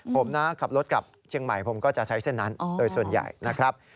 ผมนะขับรถกลับเชียงใหม่ผมก็จะใช้เส้นนั้นโดยส่วนใหญ่นะครับ